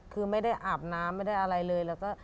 คือไม่ได้อาบน้ำไม่ได้อะไรเลย